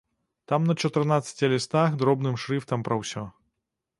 Там на чатырнаццаці лістах дробным шрыфтам пра ўсё.